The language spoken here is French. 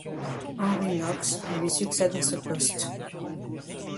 Henry Knox lui succède à ce poste.